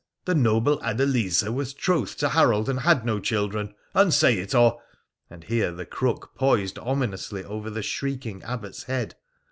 The noble Adeliza was troth to Harold, and had no children ; unsay it, or ' and here the crook poised ominously over the shrieking Abbot's head.